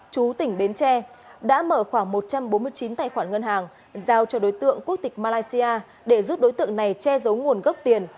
chú tỉnh bến tre đã mở khoảng một trăm bốn mươi chín tài khoản ngân hàng giao cho đối tượng quốc tịch malaysia để giúp đối tượng này che giấu nguồn gốc tiền